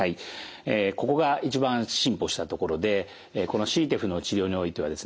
ここが一番進歩したところでこのＣＴＥＰＨの治療においてはですね